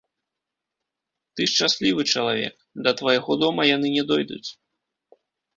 Ты шчаслівы чалавек, да твайго дома яны не дойдуць.